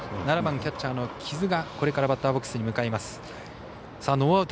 ７番キャッチャーの木津がこれからバッターボックスに向かいます。